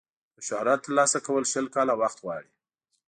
د شهرت ترلاسه کول شل کاله وخت غواړي.